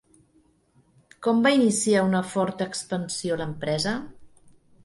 Com va iniciar una forta expansió l'empresa?